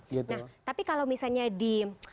nah tapi kalau misalnya di